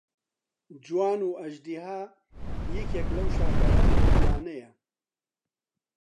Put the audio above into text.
جوان و ئەژدیها یەکێک لەو شاکارە ئەدەبیانەیە